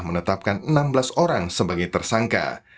menetapkan enam belas orang sebagai tersangka